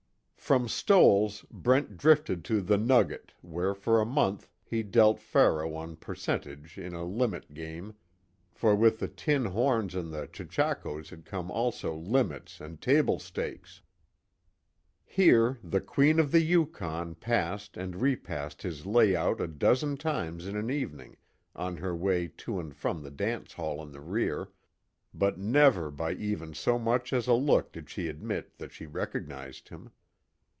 From Stoell's Brent drifted to "The Nugget," where for a month, he dealt faro on percentage in a "limit" game for with the tin horns and the chechakos had come also "limits" and "table stakes." Here, "The Queen of the Yukon" passed and repassed his layout a dozen times in an evening on her way to and from the dance hall in the rear, but never by even so much as a look did she admit that she recognized him.